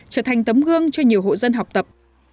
trở thành tấm gương cho nhiều hộ dân học tập